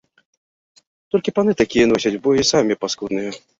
Толькі паны такія носяць, бо і самі паскудныя!